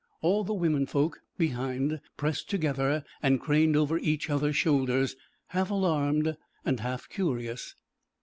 All the women folk behind pressed together and craned over each other's shoulders, half alarmed and half curious.